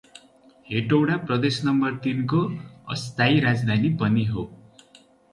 हेटौडा प्रदेश नम्बर तिन को अईस्थाई राजधानी पनि हो ।